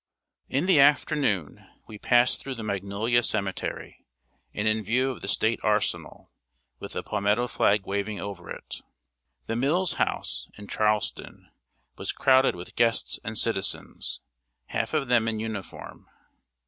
] In the afternoon, we passed through the Magnolia Cemetery, and in view of the State Arsenal, with the palmetto flag waving over it. The Mills' House, in Charleston, was crowded with guests and citizens, half of them in uniform.